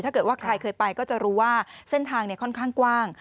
ถ้าเกิดว่าใครเคยไปก็จะรู้ว่าเส้นทางค่อนข้างกว้าง